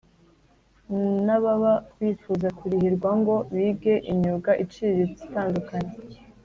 n ababa bifuza kurihirwa ngo bige imyuga iciriritse itandukanye